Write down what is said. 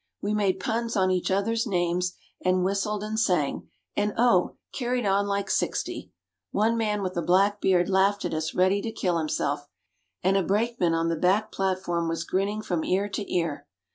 We made puns on each other's names, and whistled and sang, and oh! carried on like sixty. One man with a black beard laughed at us ready to kill himself, and a brakeman on the back platform was grinning from ear to ear.